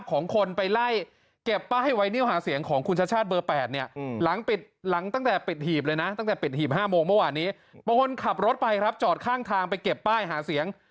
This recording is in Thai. กล้ายไวนิวหาเสียงของคุณชัชชาติเบอร์แปดเนี่ย